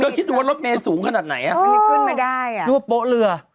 ก็คิดดูว่ารถเมล์สูงขนาดไหนอะนี่ขึ้นไม่ได้ดูว่าโปะเรือ